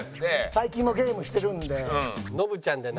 最近もゲームしてるんで。